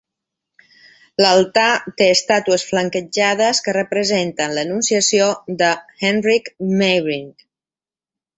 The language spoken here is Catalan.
L'altar té estàtues flanquejades que representen l'"Annunciació" de Heinrich Meyring.